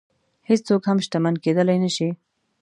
هېڅوک هم شتمن کېدلی نه شي.